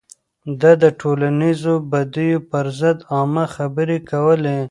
ده د ټولنيزو بديو پر ضد عامه خبرې کولې.